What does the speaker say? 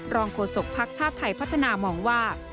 โฆษกภักดิ์ชาติไทยพัฒนามองว่า